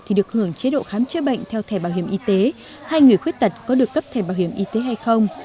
thì được hưởng chế độ khám chữa bệnh theo thẻ bảo hiểm y tế hay người khuyết tật có được cấp thẻ bảo hiểm y tế hay không